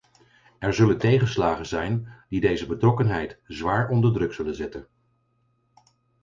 Er zullen tegenslagen zijn die deze betrokkenheid zwaar onder druk zullen zetten.